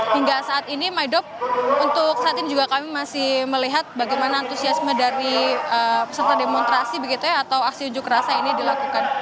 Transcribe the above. hingga saat ini my dok untuk saat ini juga kami masih melihat bagaimana antusiasme dari peserta demonstrasi begitu ya atau aksi unjuk rasa ini dilakukan